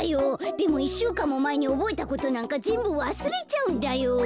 でも１しゅうかんもまえにおぼえたことなんかぜんぶわすれちゃうんだよ。